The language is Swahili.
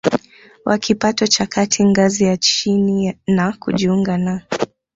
wa kipato cha kati ngazi ya chini na kujiunga na